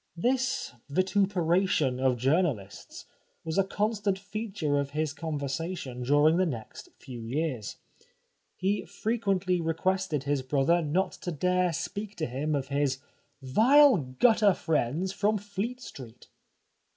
This vituperation of journalists was a constant feature of his conversation during the next few years. He frequently requested his brother not to dare speak to him of his '' vile gutter friends from Fleet Street."